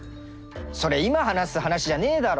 それ今話す話じゃねえだろ。